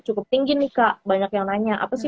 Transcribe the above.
cukup tinggi nih kak banyak yang nanya apa sih